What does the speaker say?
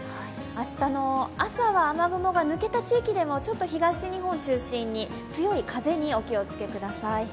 明日の朝は雨雲が抜けた地域でもちょっと東日本中心に強い風にお気を付けください。